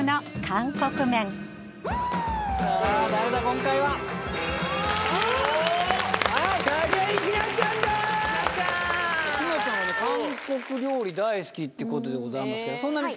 韓国料理大好きってことでございますけど。